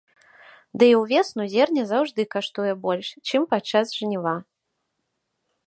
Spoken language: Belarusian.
Ды і ўвесну зерне заўжды каштуе больш, чым падчас жніва.